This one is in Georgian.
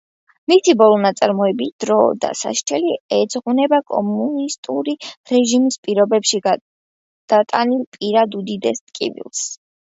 მისი ბოლო ნაწარმოები „დრო და სასჯელი“, ეძღვნება კომუნისტური რეჟიმის პირობებში გადატანილ პირად უდიდეს ტკივილს.